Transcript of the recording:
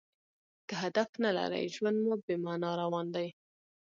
که هدف نه لرى؛ ژوند مو بې مانا روان دئ.